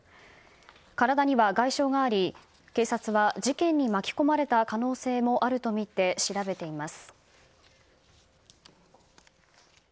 体には外傷があり、警察は事件に巻き込まれた可能性もあるとみて調べています。